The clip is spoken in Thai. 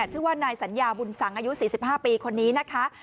ชื่อว่านายสัญญาบุญสังอายุ๔๕ปีคนนี้นะคะ